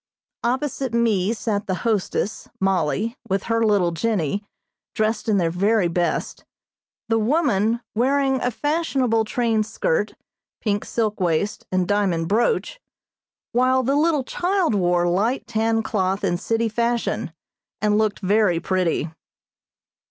Opposite me sat the hostess (Mollie) with her little Jennie, dressed in their very best, the woman wearing a fashionable trained skirt, pink silk waist and diamond brooch, while the little child wore light tan cloth in city fashion, and looked very pretty.